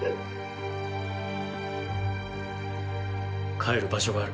帰る場所がある。